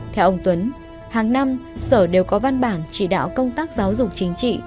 theo ông tuấn hàng năm sở đều có văn bản chỉ đạo công tác giáo dục chính trị